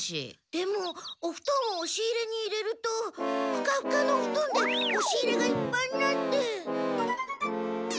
でもおふとんをおし入れに入れるとフカフカのおふとんでおし入れがいっぱいになって。